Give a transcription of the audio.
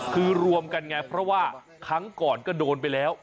คือรวมกันไงเพราะว่าครั้งก่อนก็โดนไปแล้ว